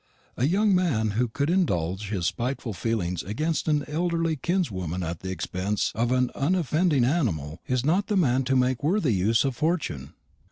A young man who could indulge his spiteful feelings against an elderly kinswoman at the expense of an unoffending animal is not the man to make worthy use of fortune."